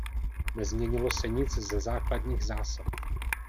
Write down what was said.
Nezměnilo se nic ze základních zásad.